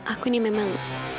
aku ini memang